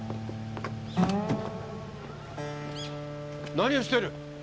何をしている！？